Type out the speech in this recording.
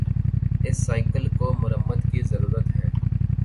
اس cycle کو مرمت کی ضرورت ہے